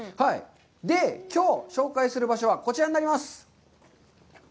きょう紹介する場所はこちらになります。